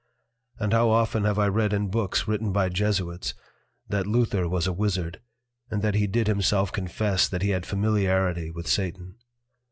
And how often have I read in Books written by Jesuits, that Luther was a Wizard, and that he did himself confess that he had familiarity with Satan!